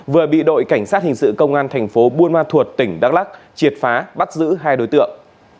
vừa bị đội cảnh sát hình sự công an thành phố buôn ma thuột tỉnh đắk lắc triệt phá bắt giữ hai đối tượng